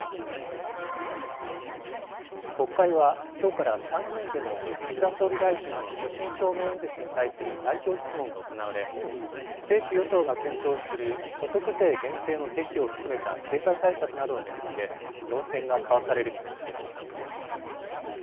国会は、きょうから参議院でも、岸田総理大臣の所信表明演説に対する代表質問が行われ、政府・与党が検討する所得税減税の是非を含めた経済対策などを巡って、論戦が交わされる見通しです。